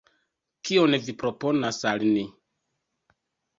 Kion vi proponas al ni!